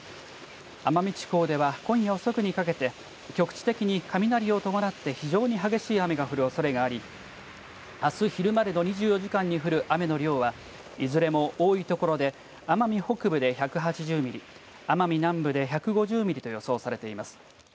奄美地方では今夜遅くにかけて局地的に雷を伴って非常に激しい雨が降るおそれがありあす昼までの２４時間に降る雨の量はいずれも多い所で奄美北部で１８０ミリ奄美南部で１５０ミリと予想されています。